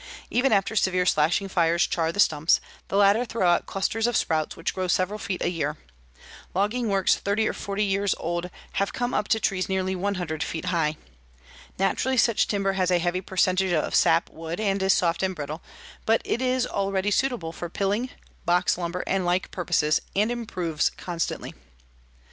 Even after severe slashing fires char the stumps, the latter throw out clusters of sprouts which grow several feet a year. Logging works 30 or 40 years old have come up to trees nearly 100 feet high. Naturally such timber has a heavy percentage of sapwood and is soft and brittle, but it is already suitable for piling, box lumber and like purposes and improves constantly.